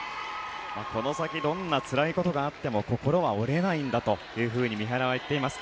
この先どんなにつらいことがあっても心は折れないんだと三原は言っています。